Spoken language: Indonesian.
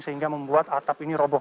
sehingga membuat atap ini roboh